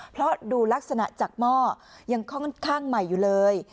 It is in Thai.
เพราะดูลักษณะจากหม้อยังค่อนข้างใหม่อยู่เลย